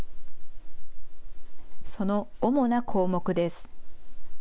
その主な項目です。